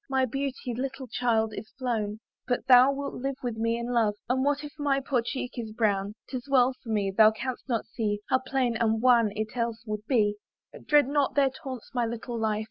My beauty, little child, is flown; But thou wilt live with me in love, And what if my poor cheek be brown? 'Tis well for me; thou canst not see How pale and wan it else would be. Dread not their taunts, my little life!